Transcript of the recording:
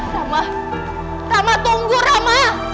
rama rama tunggu rama